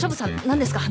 何ですか？